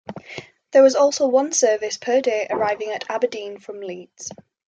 There was also one service per day arriving at Aberdeen from Leeds.